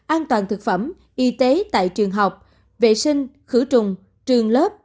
an toàn thực phẩm y tế tại trường học vệ sinh khử trùng trường lớp